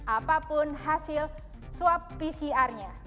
apapun hasil swab pcr nya